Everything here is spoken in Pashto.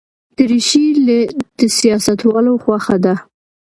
دریشي د سیاستوالو خوښه ده.